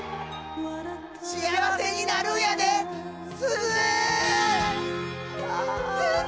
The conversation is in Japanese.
幸せになるんやですず。